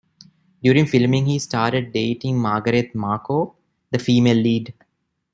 During filming he started dating Margaret Markov, the female lead.